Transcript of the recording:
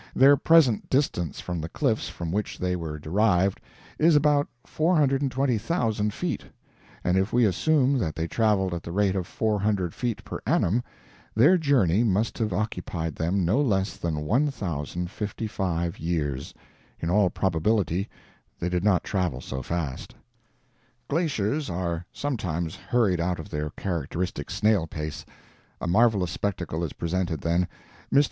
Their present distance from the cliffs from which they were derived is about 420,000 feet, and if we assume that they traveled at the rate of 400 feet per annum, their journey must have occupied them no less than 1,055 years! In all probability they did not travel so fast." Glaciers are sometimes hurried out of their characteristic snail pace. A marvelous spectacle is presented then. Mr.